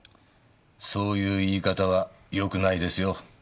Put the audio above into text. そういう言い方はよくないですよ。